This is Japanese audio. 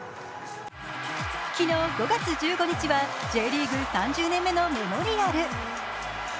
昨日、５月１５日はＪリーグ３０年目のメモリアル。